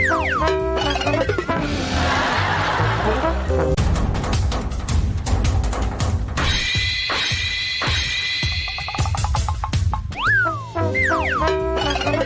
สวัสดีครับ